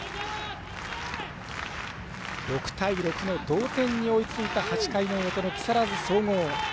６対６の同点に追いついた８回の表の木更津総合。